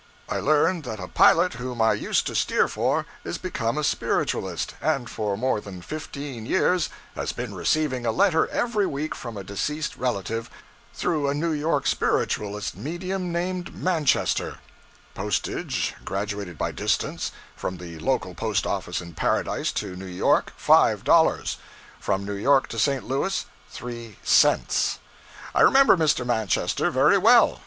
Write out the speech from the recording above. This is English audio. I learned that a pilot whom I used to steer for is become a spiritualist, and for more than fifteen years has been receiving a letter every week from a deceased relative, through a New York spiritualist medium named Manchester postage graduated by distance: from the local post office in Paradise to New York, five dollars; from New York to St. Louis, three cents. I remember Mr. Manchester very well.